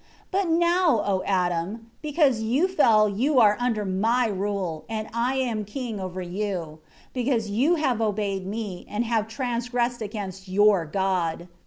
7 But now, O Adam, because you fell you are under my rule, and I am king over you; because you have obeyed me and have transgressed against your God.